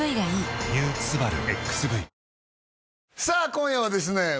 さあ今夜はですね